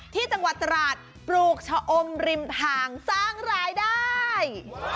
ที่จังหวัดตราดปลูกชะอมริมทางสร้างรายได้